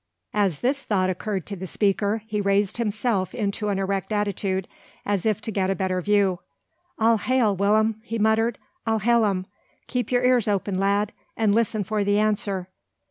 As this thought occurred to the speaker, he raised himself into an erect attitude, as if to get a better view. "I'll hail, Will'm," he muttered; "I'll hail 'em. Keep your ears open, lad; and listen for the answer.